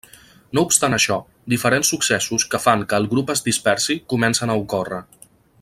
No obstant això, diferents successos que fan que el grup es dispersi comencen a ocórrer.